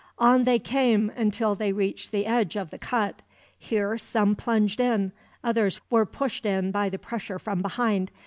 On they came, until they reached the edge of the cut. Here some plunged in, others were pushed in by the pressure from behind.